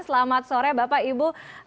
selamat sore bapak ibu